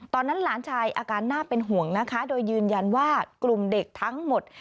หลานชายอาการน่าเป็นห่วงนะคะโดยยืนยันว่ากลุ่มเด็กทั้งหมด